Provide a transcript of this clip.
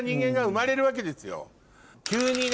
急にね